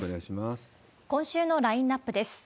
今週のラインナップです。